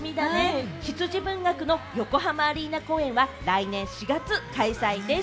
羊文学の横浜アリーナ公演は来年４月開催です。